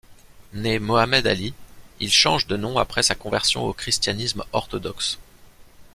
Né Mohammed Ali, il change de nom après sa conversion au christianisme orthodoxe.